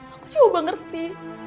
aku coba ngerti